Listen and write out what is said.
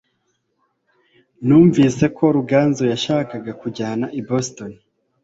Numvise ko Ruganzu yashakaga kujyana i Boston.